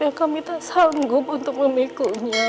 yang kami tak sanggup untuk memikulnya